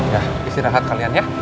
ya istirahat kalian ya